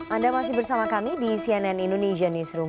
anda masih bersama kami di cnn indonesia newsroom